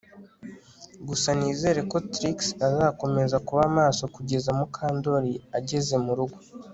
Gusa nizere ko Trix azakomeza kuba maso kugeza Mukandoli ageze murugo